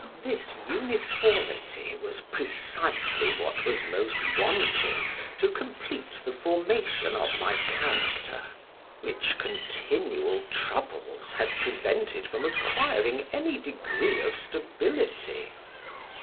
This uniformity was precisely what was most wanting to complete the formation of my character, which continual troubles had prevented from acquiring any degree of stability.